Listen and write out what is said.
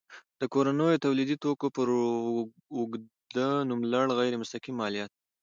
د کورنیو تولیدي توکو پر اوږده نوملړ غیر مستقیم مالیات.